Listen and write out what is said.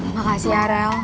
makasih ya riel